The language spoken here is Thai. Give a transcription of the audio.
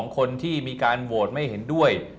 คนที่มีการโหวตไม่เห็นด้วย